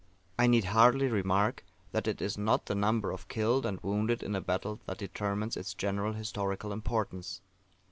I need hardly remark that it is not the number of killed and wounded in a battle that determines its general historical importance.